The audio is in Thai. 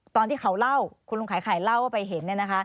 ตอนที่เขาเล่าคุณลุงขายเล่าว่าไปเห็น